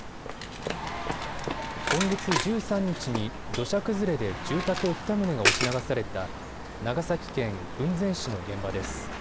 今月１３日に土砂崩れで住宅２棟が押し流された長崎県雲仙市の現場です。